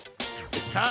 さあ